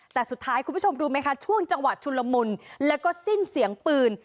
แต่สุดท้ายคุณผู้ชมรู้ไหมคะช่วงจังหวะชุนละมุนแล้วก็สิ้นเสียงปืน